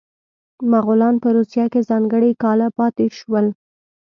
مغولان په روسیه کې ځانګړي کاله پاتې شول.